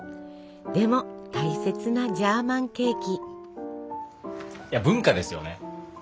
でも大切なジャーマンケーキ。